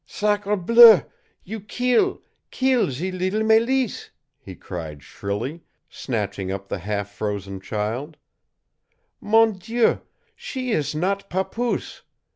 "Sacre bleu you keel keel ze leetle Mélisse!" he cried shrilly, snatching up the half frozen child, "Mon Dieu, she ees not papoose!